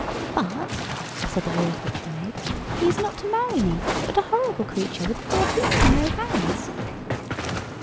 "But," said the Real Kitchen Maid, "he is not to marry me, but a horrible creature with four feet and no hands."